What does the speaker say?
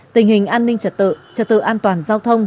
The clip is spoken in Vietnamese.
tình hình an ninh trật tự trật tự an toàn giao thông